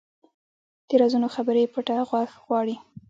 د رازونو خبرې پټه غوږ غواړي